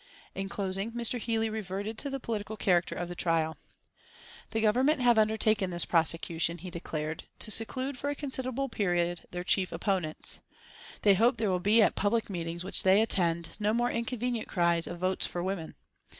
In closing Mr. Healey reverted to the political character of the trial. "The Government have undertaken this prosecution," he declared, "to seclude for a considerable period their chief opponents. They hope there will be at public meetings which they attend no more inconvenient cries of 'Votes for Women.'